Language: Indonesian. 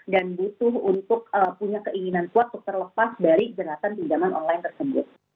dan butuh untuk punya keinginan kuat untuk terlepas dari jenazan pinjaman online tersebut